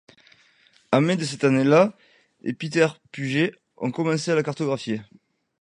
En mai de cette année-là, et Peter Puget, ont commencé à la cartographier.